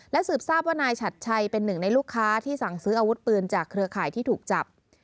สืบทราบว่านายฉัดชัยเป็นหนึ่งในลูกค้าที่สั่งซื้ออาวุธปืนจากเครือข่ายที่ถูกจับ